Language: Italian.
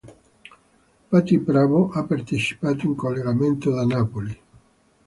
Patty Pravo ha partecipato in collegamento da Napoli.